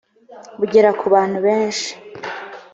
bugera ku bantu benshi